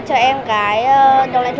cho cái gì